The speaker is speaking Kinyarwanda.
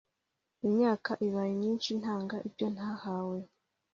Imyaka ibaye myinshi Ntanga ibyo ntahawe